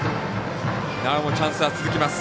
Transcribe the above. なおもチャンスは続きます。